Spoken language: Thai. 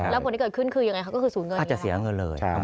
แล้วผลที่เกิดขึ้นคือยังไงคะก็คือศูนย์เงินอย่างนี้